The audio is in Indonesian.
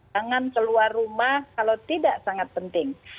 jangan keluar rumah kalau tidak sangat penting